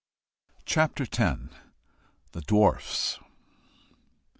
CHAPTER X. THE DWARFS.